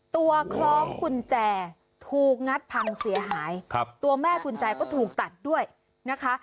คล้องกุญแจถูกงัดพังเสียหายครับตัวแม่กุญแจก็ถูกตัดด้วยนะคะ